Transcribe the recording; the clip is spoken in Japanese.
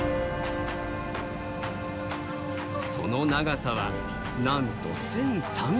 その長さはなんと１，３００ｍ。